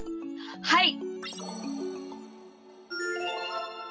はい！